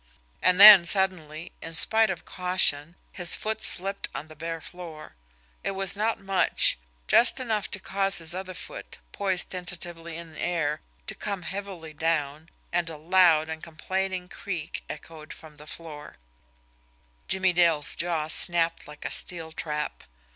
And then suddenly, in spite of caution, his foot slipped on the bare floor. It was not much just enough to cause his other foot, poised tentatively in air, to come heavily down, and a loud and complaining creak echoed from the floor. Jimmie Dale's jaws snapped like a steel trap.